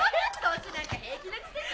・年なんか平気なくせに！